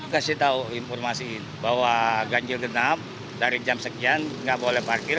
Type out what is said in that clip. kasih tahu informasi bahwa ganjil genap dari jam sekian nggak boleh parkir